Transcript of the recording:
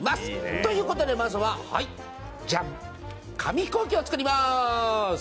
ということで、まずは紙飛行機を作りまーす。